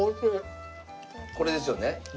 これですよね？